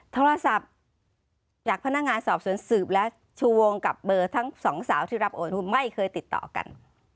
โทรศัพท์จากพนักงานสอบสวนสืบและชูวงกับเบอร์ทั้งสองสาวที่รับโอนไม่เคยติดต่อกัน